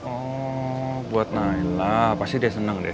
oh buat nailah pasti dia seneng deh